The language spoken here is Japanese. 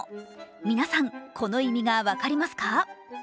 皆さん、この意味が分かりますか？